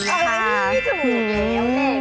ใช่เหมือนที่หนูอยู่ในไทรลัสทีวี